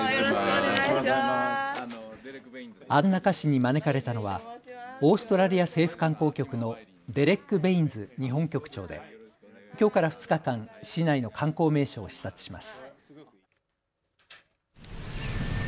安中市に招かれたのはオーストラリア政府観光局のデレック・ベインズ日本局長できょうから２日間、市内の観光名所を視察します。